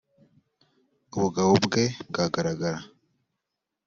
ubugabo bwe bwagaragara